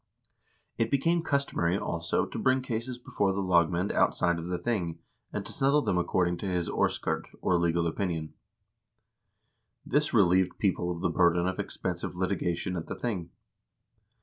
It became customary, also, to bring cases before the lagmand outside of the thing, and to settle them according to his orskurd, or legal opinion. This relieved people of the burden of expensive litigation at the thing.